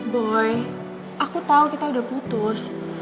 boy aku tahu kita udah putus